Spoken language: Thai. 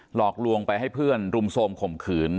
หลอกลวงไปให้เพื่อนรุมโทรมข่มขืน